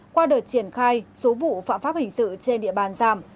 qua đợt triển khai số vụ phạm pháp hình sự trên địa bàn giảm